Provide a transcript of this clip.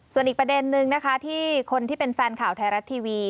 ส่วนอีกประเด็นนึงนะคะที่คนที่เป็นแฟนข่าวไทยรัฐทีวี